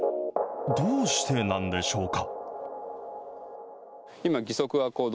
どうしてなんでしょうか。